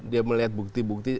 dia melihat bukti bukti